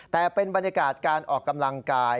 แต่เป็นบรรยากาศการออกกำลังกาย